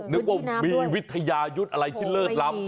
นึกว่ามีวิทยายุทธ์อะไรที่เลิศล้ำ